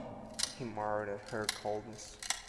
He marvelled at her coldness.